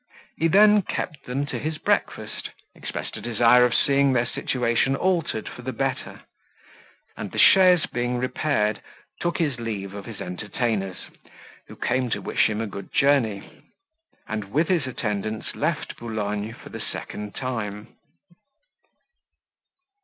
He then kept them to his breakfast; expressed a desire of seeing their situation altered for the better; and the chaise being repaired, took his leave of his entertainers, who came to wish him a good journey, and with his attendants left Boulogne for the second time.